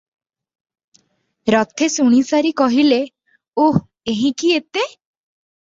ରଥେ ଶୁଣିସାରି କହିଲେ, "ଓଃ ଏହିଁକି ଏତେ?